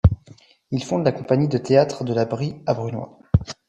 Il fonde la compagnie de théâtre de la Brie à Brunoy.